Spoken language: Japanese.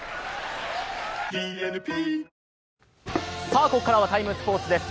さあ、ここからは「ＴＩＭＥ，スポーツ」です。